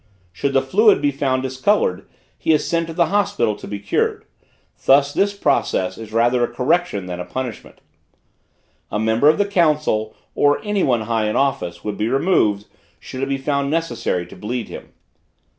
Should the fluid be found discolored, he is sent to the hospital to be cured; thus this process is rather a correction than a punishment. A member of the council, or any one high in office, would be removed, should it be found necessary to bleed him.